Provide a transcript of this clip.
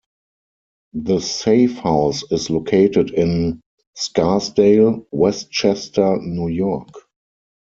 The safe house is located in Scarsdale, West Chester, New York.